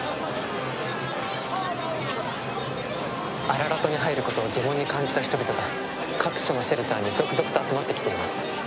アララトに入ることを疑問に感じた人々が各所のシェルターに続々と集まってきています。